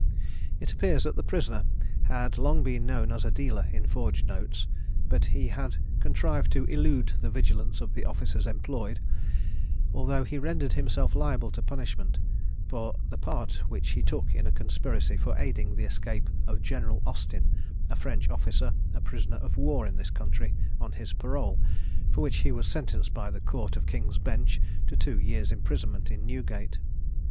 It appears that the prisoner had long been known as a dealer in forged notes; but he had contrived to elude the vigilance of the officers employed, although he rendered himself liable to punishment for the part which he took in a conspiracy for aiding the escape of General Austin, a French officer, a prisoner of war in this country, on his parole, for which he was sentenced by the Court of King's Bench to two years' imprisonment in Newgate.